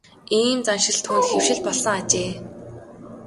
Ийм заншил түүнд хэвшил болсон ажээ.